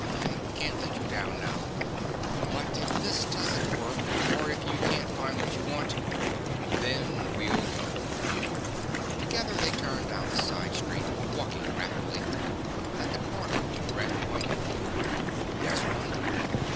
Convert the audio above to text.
I can't let you down now. But if this doesn't work ... or if you can't find what you want " "Then we'll go." Together they turned down a side street, walking rapidly. At the next corner Brett pointed. "There's one!"